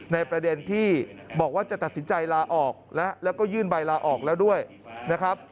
ในประเด็นที่บอกว่าจะตัดสินใจลาออกและแล้วก็ยื่นใบลาออกแล้วด้วยนะครับ